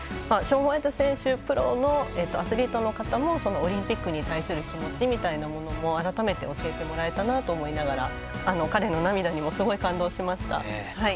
ショーン・ホワイト選手にプロのアスリートのオリンピックに対する気持ちみたいなものも改めて教えてもらえたなと思いながら彼の涙にもすごい感動しました。